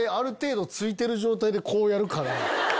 こうやるから。